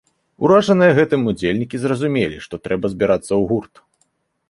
Уражаныя гэтым удзельнікі зразумелі, што трэба збірацца ў гурт.